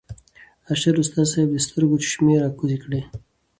ارشد استاذ صېب د سترګو چشمې راکوزې کړې